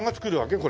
これ。